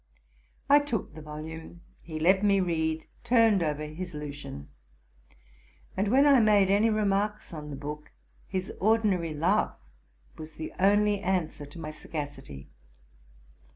I took the volume, he let me read, turned over his Lucian; and, when I made any remarks on the book, his ordinary laugh was the only answer to my sagacity.